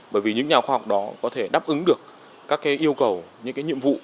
bởi vì những nhà khoa học đó có thể đáp ứng được các yêu cầu những cái nhiệm vụ